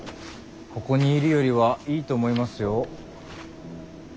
ここにいるよりはいいと思いますよ。